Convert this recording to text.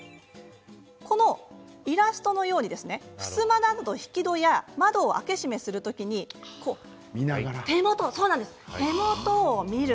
イラストのようにふすまなどの引き戸や窓を開け閉めする時に手元を見る。